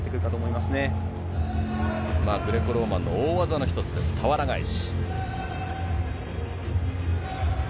まあ、グレコローマンの大技の一つです、たわら返し。